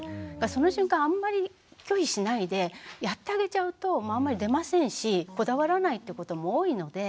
その瞬間あんまり拒否しないでやってあげちゃうとあんまり出ませんしこだわらないってことも多いので。